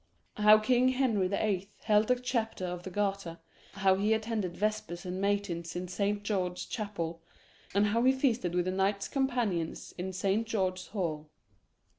How King Henry the Eighth held a Chapter of the Garter How he attended Vespers and Matins in Saint George's Chapel And how he feasted with the Knights Companions in Saint George's Hall.